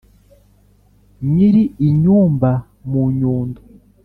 nyiri inyumba, munyundo